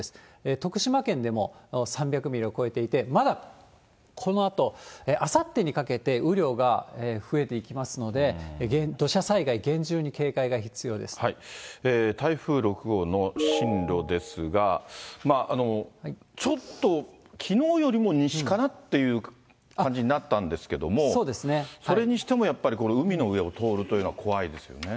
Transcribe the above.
徳島県でも３００ミリを超えていて、まだこのあと、あさってにかけて雨量が増えていきますので、土砂災害、台風６号の進路ですが、ちょっときのうよりも西かなっていう感じになったんですけれども、それにしてもやっぱりこの海の上を通るというのは怖いですよね。